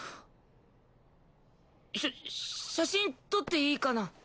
しゃ写真撮っていいかな？